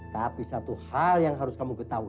tapi satu hal yang harus kamu ketahui